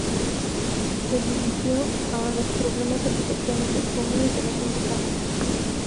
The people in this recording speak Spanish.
Se dirigió a "los problemas arquitectónicos comunes de la gente común".